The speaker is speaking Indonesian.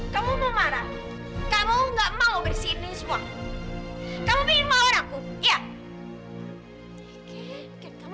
kamu mau marah kamu nggak mau bersih semua kamu mau aku ya